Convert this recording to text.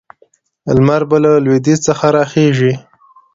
لمر به له لویدیځ څخه راخېژي.